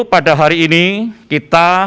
pada hari ini kita